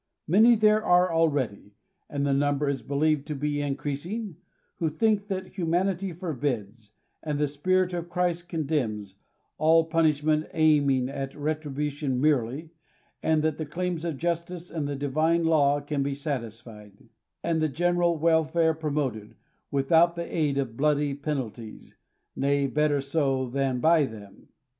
Many there are already, and the number is believed to be increasing, 1* who think that humanity forbids, and the spirit of Christ con demns, all punishment aiming at retribution merely, and that the claims of justice and the divine law can be satisfied, and the general welfare promoted, without the aid of bloody penalties ;— nay, better so than by them.